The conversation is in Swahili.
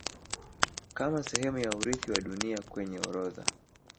Kama sehemu ya urithi wa Dunia kwenye orodha